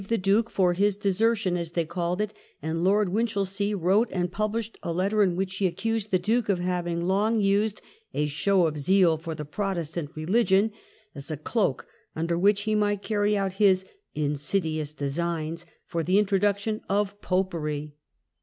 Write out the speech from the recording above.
the Duke 'for his desertion as they called it, and Lord Winchelsea wrote and published a letter in which he accused the Duke of having long used "a show of zeal for the Protestant religion" as a cloak under which he might carry out his "insidious designs" for the introduction of popery.